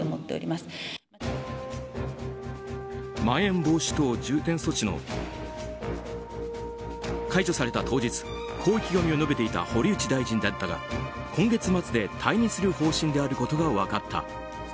まん延防止等重点措置が解除された当日こう意気込みを述べていた堀内大臣だが今月末で退任する方針であることが分かった。